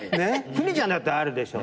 邦ちゃんだってあるでしょ。